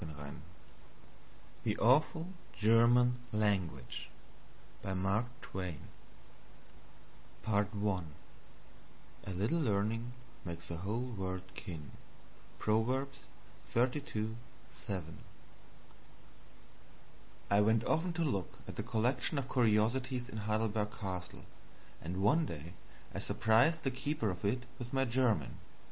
APPENDIX D. The Awful German Language A little learning makes the whole world kin. Proverbs xxxii, 7. I went often to look at the collection of curiosities in Heidelberg Castle, and one day I surprised the keeper of it with my German.